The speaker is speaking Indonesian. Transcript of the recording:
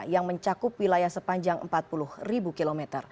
yang mencakup wilayah sepanjang empat puluh km